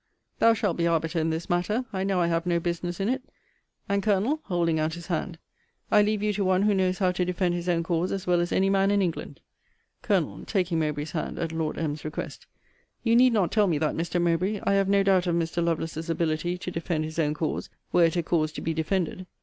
thou shalt be arbiter in this matter; I know I have no business in it and, Colonel, (holding out his hand,) I leave you to one who knows how to defend his own cause as well as any man in England. Col. (taking Mowbray's hand, at Lord M.'s request,) You need not tell me that, Mr. Mowbray. I have no doubt of Mr. Lovelace's ability to defend his own cause, were it a cause to be defended.